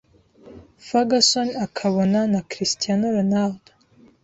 Ferguson akabona na Cristiano Ronaldo